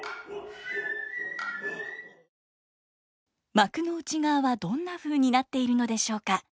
幕の内側はどんなふうになっているのでしょうか。